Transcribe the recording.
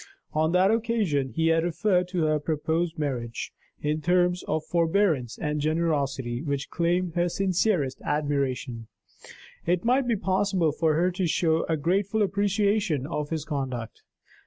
On that occasion he had referred to her proposed marriage (never to be a marriage now!) in terms of forbearance and generosity which claimed her sincerest admiration. It might be possible for her to show a grateful appreciation of his conduct.